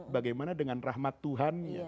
bagaimana dengan rahmat tuhan